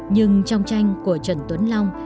nhưng trong tranh của trần tuấn long